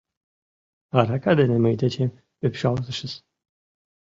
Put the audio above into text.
Арака дене мый дечем ӱпшалтешыс.